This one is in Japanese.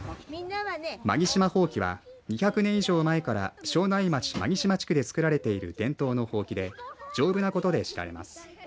槇島ほうきは２００年以上前から庄内町槇島地区でつくられている伝統のほうきで丈夫なことで知られています。